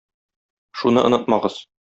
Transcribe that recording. Шуны онытмагыз!